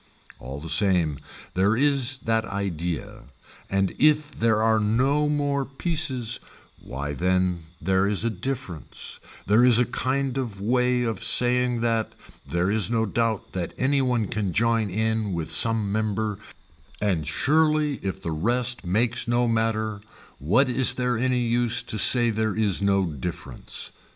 All the same there is that idea and if there are no more pieces why then there is a difference, there is a kind of way of saying that, there is no doubt that any one can join in with some member and surely if the rest makes no matter what is there any use to say there is no difference.